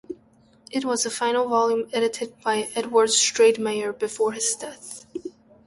It was the final volume edited by Edward Stratemeyer before his death.